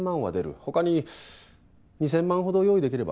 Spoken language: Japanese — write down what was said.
他に２，０００万ほど用意できれば。